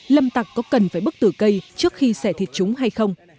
lâm tặc có cần phải bức tử cây trước khi xẻ thịt chúng hay không